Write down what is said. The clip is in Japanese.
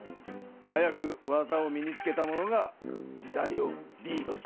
早く技を身につけた者が時代をリードしていけるぞ。